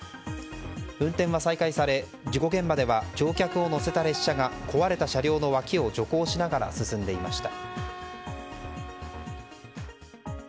運転は再開され、事故現場では乗客を乗せた列車が壊れた車両の脇を徐行しながら進んでいました。